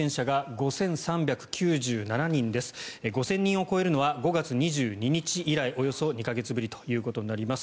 ５０００人を超えるのは５月２２日以来およそ２か月ぶりとなります。